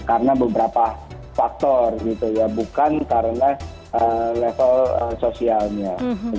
karena beberapa faktor gitu ya bukan karena level sosialnya